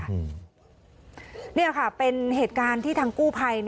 นี่ค่ะเป็นเหตุการณ์ที่ทางกู้ภัย